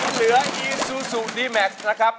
เหลืออีซูซูดีแม็กซ์นะครับ